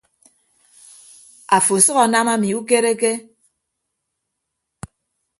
Afo asʌk anam ami ukereke.